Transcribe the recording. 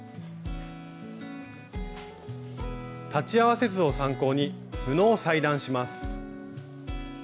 裁ち合わせ図を参考に布を裁断します。